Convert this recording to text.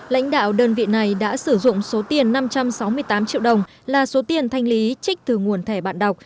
lãnh đạo đơn vị này đã sử dụng số tiền năm trăm sáu mươi tám triệu đồng là số tiền thanh lý trích từ nguồn thẻ bạn đọc